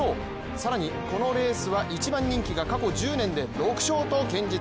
更にこのレースは一番人気が過去１０年で６勝と堅実。